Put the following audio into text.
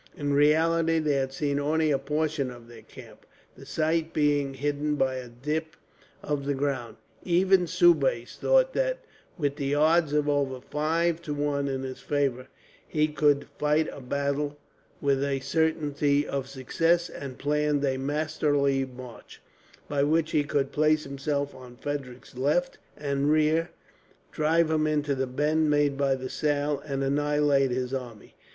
In reality they had seen only a portion of their camp, the site being hidden by a dip of the ground. Even Soubise thought that, with the odds of over five to one in his favour, he could fight a battle with a certainty of success; and planned a masterly march, by which he would place himself on Frederick's left and rear, drive him into the bend made by the Saale, and annihilate his army.